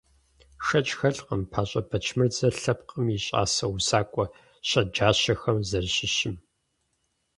Шэч хэлъкъым ПащӀэ Бэчмырзэ лъэпкъым и щӀасэ усакӀуэ щэджащэхэм зэращыщым.